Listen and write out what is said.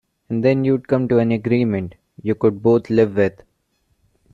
And then you'd come to an agreement you could both live with.